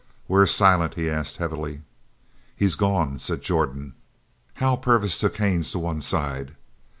"Where's Silent?" he asked heavily. "He's gone," said Jordan. Hal Purvis took Haines to one side.